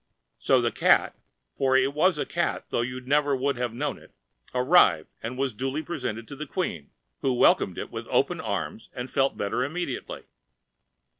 So the cat—for it was a cat though you never would have known it—arrived and was duly presented to the Queen, who welcomed it with open arms and felt better immediately.